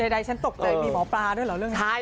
ใดฉันตกใจมีหมอปลาด้วยเหรอเรื่องนี้